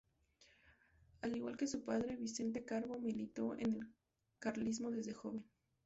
Al igual que su padre, Vicente Carbó militó en el carlismo desde joven.